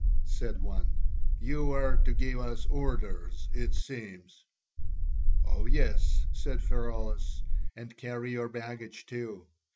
said one: "you are to give us our orders, it seems!" "Oh, yes," said Pheraulas, "and carry your baggage too.